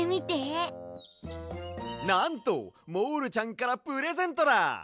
なんとモールちゃんからプレゼントだ！